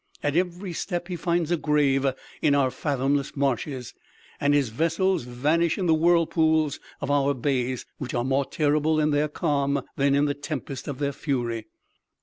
at every step he finds a grave in our fathomless marshes, and his vessels vanish in the whirlpools of our bays which are more terrible in their calm than in the tempest of their fury!"